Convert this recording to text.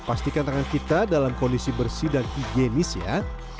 pastikan tangan kita dalam kondisi bersih dan higienis ya